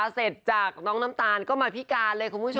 เสร็จจากน้องน้ำตาลก็มาพิการเลยคุณผู้ชม